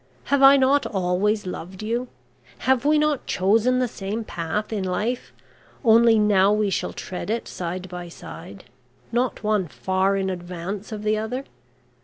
Have I not always loved you? Have we not chosen the same path in life, only now we shall tread it side by side, not one far in advance of the other?